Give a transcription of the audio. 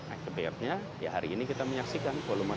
akibatnya ya hari ini kita menyaksikan volume sampah